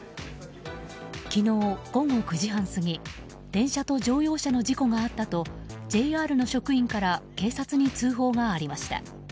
昨日午後９時半過ぎ電車と乗用車の事故があったとＪＲの職員から警察に通報がありました。